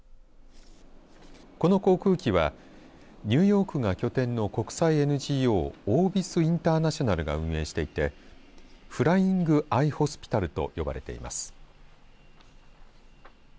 この航空機はニューヨークが拠点の国際ＮＧＯオービス・インターナショナルが運営していてフライング・アイ・ホスピタルと呼ばれています。